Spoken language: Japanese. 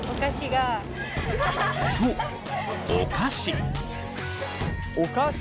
そうお菓子。